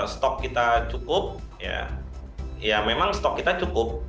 stok kita cukup ya memang stok kita cukup